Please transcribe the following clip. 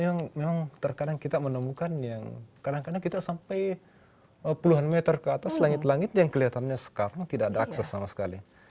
yang memang terkadang kita menemukan yang kadang kadang kita sampai puluhan meter ke atas langit langit yang kelihatannya sekarang tidak ada akses sama sekali